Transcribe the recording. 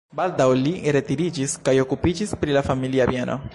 Baldaŭ li retiriĝis kaj okupiĝis pri la familia bieno.